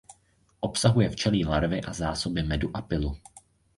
Obsahuje včelí larvy a zásoby medu a pylu.